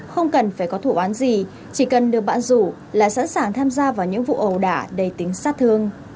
không cần phải có thủ án gì chỉ cần được bạn rủ là sẵn sàng tham gia vào những vụ ẩu đả đầy tính sát thương